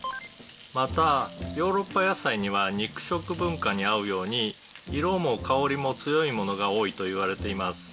「またヨーロッパ野菜には肉食文化に合うように色も香りも強いものが多いと言われています」